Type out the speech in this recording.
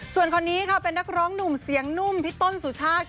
ส่วนคนนี้ค่ะเป็นนักร้องหนุ่มเสียงนุ่มพี่ต้นสุชาติ